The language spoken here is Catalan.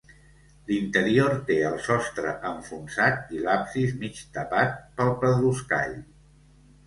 L'interior té el sostre enfonsat i l'absis mig tapat pel pedruscall.